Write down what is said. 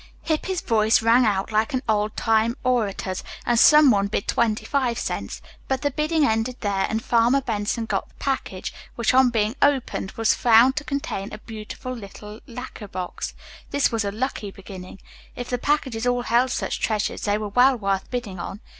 Hippy's voice rang out like an old time orator's, and some one bid twenty five cents. But the bidding ended there, and Farmer Benson got the package, which on being opened, was found to contain a beautiful little lacquer box. This was a lucky beginning. If the packages all held such treasures they were well worth bidding on.